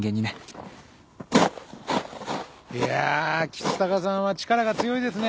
いや橘高さんは力が強いですね。